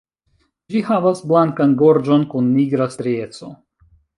Ĝi havas blankan gorĝon kun nigra strieco.